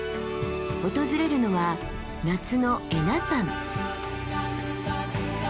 訪れるのは夏の恵那山。